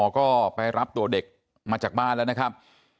ก็ไปรับตัวเด็กมาจากบ้านแล้วนะครับ